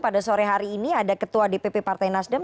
pada sore hari ini ada ketua dpp partai nasdem